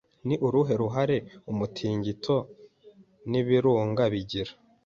Ni uruhe ruhare umutingito n'ibirunga bigira